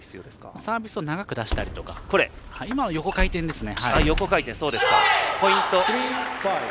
サービスを長く出したりとか今は横回転ですね。